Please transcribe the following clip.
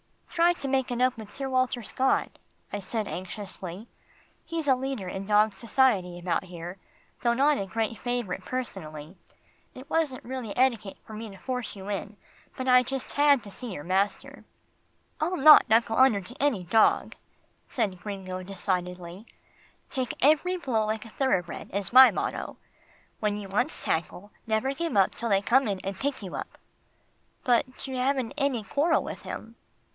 "Try to make it up with Sir Walter Scott," I said anxiously. "He's a leader in dog society about here, though not a great favourite personally. It wasn't really etiquette for me to force you in, but I just had to see your master." "I'll not knuckle under to any dog," said Gringo decidedly. "Take every blow like a thoroughbred is my motto, but when you once tackle, never give up till they come in and pick you up." "But you haven't had any quarrel with him.